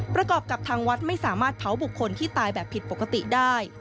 ประกอบกับทางวัดไม่สามารถเผาบุคคลที่ตายแบบผิดปกติได้